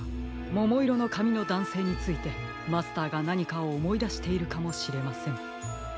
ももいろのかみのだんせいについてマスターがなにかおもいだしているかもしれません。